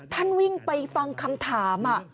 ท่านวิ่งไปฟังคำถาม